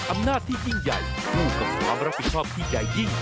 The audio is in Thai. อำนาจที่ยิ่งใหญ่คู่กับความรับผิดชอบที่ใหญ่ยิ่ง